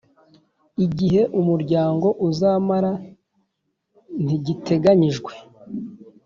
Igihe Umuryango uzamara ntigiteganyijwe.